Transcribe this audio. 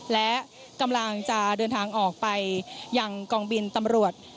และกำลังจะเดินทางออกไปยังกองบินตำรวจ